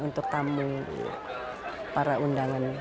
untuk tamu para undangan